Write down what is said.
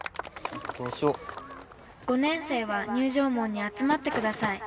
「５年生は入場門に集まってください」。